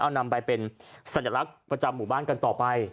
เอานำไปเป็นสัญลักษณ์ประจำหมู่บ้านกันต่อไป